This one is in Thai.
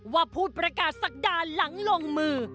ว่าผู้ประกาศศักดาหลังลงมือ